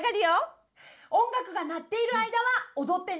音楽が鳴っている間は踊ってね！